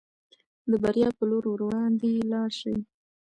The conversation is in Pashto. د بریا په لور وړاندې لاړ شئ.